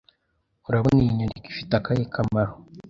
Urabona iyi nyandiko ifite akahe kamaro